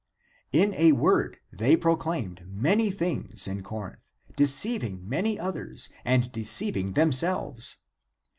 In a word, they proclaimed (?) many things in Corinth, deceiving [many others and deceiving] themselves.